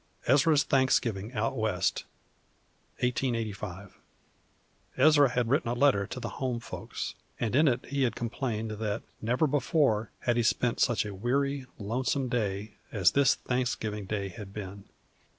1885. +EZRA'S THANKSGIVIN' OUT WEST+ EZRA'S THANKSGIVIN' OUT WEST Ezra had written a letter to the home folks, and in it he had complained that never before had he spent such a weary, lonesome day as this Thanksgiving day had been.